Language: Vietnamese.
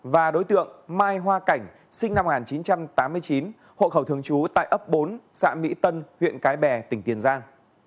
và đối tượng mai hoa cảnh sinh năm một nghìn chín trăm tám mươi chín hộ khẩu thường trú tại ấp bốn xã mỹ tân huyện cái bè tỉnh tiền giang